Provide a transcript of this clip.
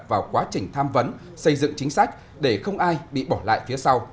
vào quá trình tham vấn xây dựng chính sách để không ai bị bỏ lại phía sau